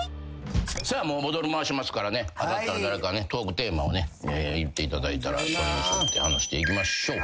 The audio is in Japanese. さあボトル回しますからね当たったら誰かトークテーマを言っていただいたらそれについて話していきましょう。